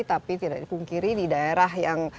tapi tidak dipungkiri di daerah yang